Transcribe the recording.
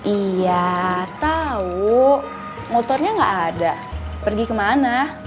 iya tau motornya ga ada pergi kemana